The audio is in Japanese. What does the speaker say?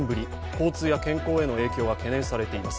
交通や健康への影響が懸念されています。